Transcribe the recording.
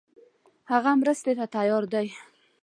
هغه مرستې ته تیار دی.